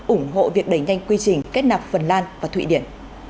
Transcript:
ủng hộ việc đẩy nhanh quy trình kết nạp phần lan và thụy điển